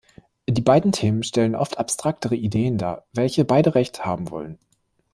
Die beiden Themen stellen oft abstraktere Ideen dar, welche beide recht haben wollen.